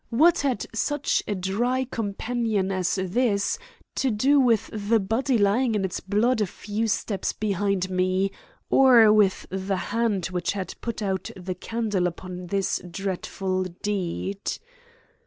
What had such a dry compendium as this to do with the body lying in its blood a few steps behind me, or with the hand which had put out the candle upon this dreadful deed?